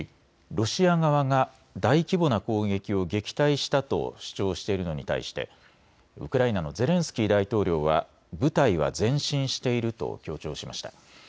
ロシア側が大規模な攻撃を撃退したと主張しているのに対してウクライナのゼレンスキー大統領は部隊は前進していると強調しました。